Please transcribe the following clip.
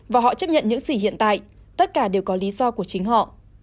và họ chấp nhận những gì hiện tại tất cả đều có lý do của chính họ